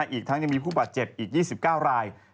อีกทั้งยังมีผู้บาดเจ็บอีก๒๙ราย